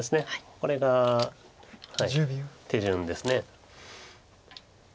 これが手順です。